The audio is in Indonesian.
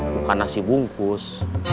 bukan nasi bungkus